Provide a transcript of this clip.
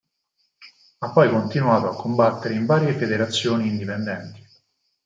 Ha poi continuato a combattere in varie federazioni indipendenti.